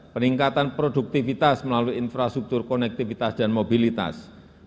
peningkatan produktivitas melalui infrastruktur konektivitas dan mobilitas